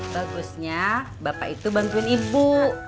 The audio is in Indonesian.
bagusnya bapak itu bantuin ibu